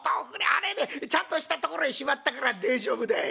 あれちゃんとしたところへしまったから大丈夫だい」。